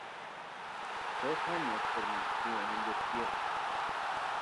Dos años permaneció en el destierro.